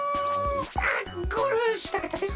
あっゴールしたかったです。